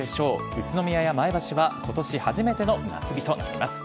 宇都宮や前橋は今年初めての夏日となります。